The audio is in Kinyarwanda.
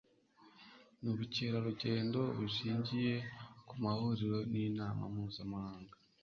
n'ubukerarugendo bushingiye ku mahuriro n'inama mpuzamahanga